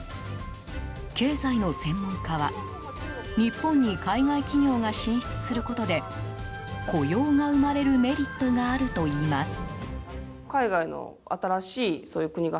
経済の専門家は日本に海外企業が進出することで雇用が生まれるメリットがあるといいます。